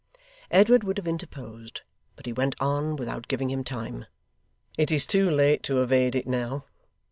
Edward would have interposed, but he went on without giving him time. 'It is too late to evade it now.